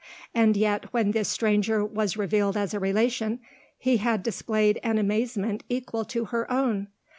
And yet, when this stranger was revealed as a relation, he had displayed an amazement equal to her own!